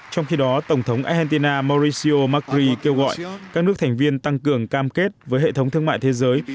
trong khi đó tổng thống argentina mauricio macri kêu gọi các nước thành viên tăng cường cam kết với hệ thống thương mại thế giới